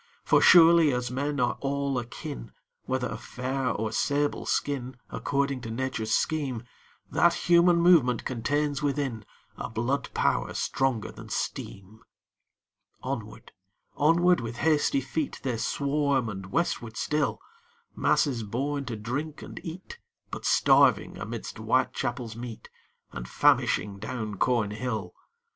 For surely as men are all akin, Whether of fair or sable skin, According to Nature's scheme, That Human Movement contains within A Blood Power stronger than Steam. Onward, onward, with hasty feet, They swarm and westward still Masses born to drink and eat, But starving amidst Whitechapel's meat, And famishing down Cornhill!